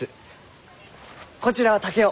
こちらは竹雄。